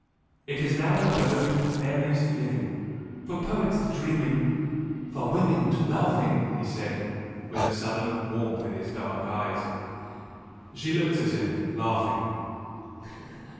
It is now an abode for fairies to live in, for poets to dream in " "For women to love in!" he said, with a sudden warmth in his dark eyes. She looked at him, laughing.